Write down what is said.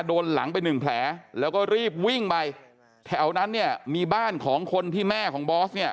หลังไปหนึ่งแผลแล้วก็รีบวิ่งไปแถวนั้นเนี่ยมีบ้านของคนที่แม่ของบอสเนี่ย